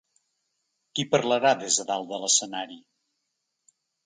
Qui parlarà des de dalt de l’escenari?